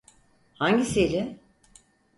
Hangisiyle?